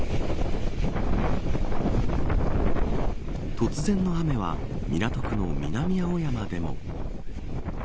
突然の雨は港区の南青山でも。